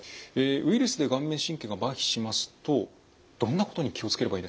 ウイルスで顔面神経がまひしますとどんなことに気を付ければいいですか？